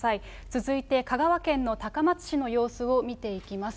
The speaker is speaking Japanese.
続いて香川県の高松市の様子を見ていきます。